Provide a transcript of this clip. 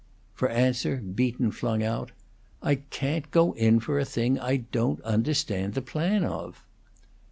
For answer, Beaton flung out, "I can't go in for a thing I don't understand the plan of."